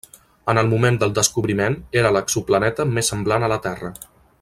En el moment del descobriment era l'exoplaneta més semblant a la Terra.